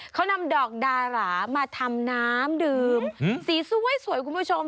เขานำดอกดารามาทำน้ำดื่มสีสวยคุณผู้ชม